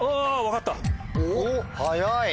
おっ早い！